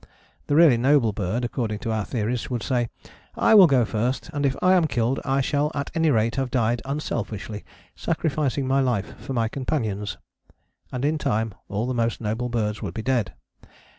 The really noble bird, according to our theories, would say, "I will go first and if I am killed I shall at any rate have died unselfishly, sacrificing my life for my companions"; and in time all the most noble birds would be dead.